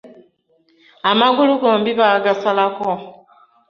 Amagulu gombi baagasalako.